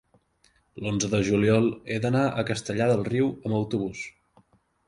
l'onze de juliol he d'anar a Castellar del Riu amb autobús.